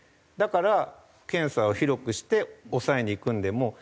だから検査を広くして抑えにいくんでも。